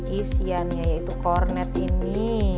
isiannya yaitu kornet ini